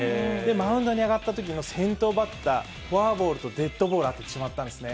マウンドに上がったときの先頭バッター、フォアボールとデッドボールを当ててしまったんですね。